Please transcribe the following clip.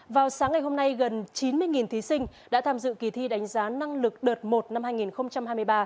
vào sáng ngày hôm nay gần chín mươi thí sinh đã tham dự kỳ thi đánh giá năng lực đợt một năm hai nghìn hai mươi ba